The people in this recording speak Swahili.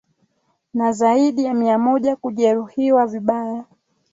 na zaidi ya mia moja kujeruhiwa vibaya